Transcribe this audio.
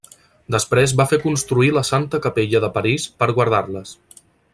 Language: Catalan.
Després va fer construir la Santa Capella de París per guardar-les.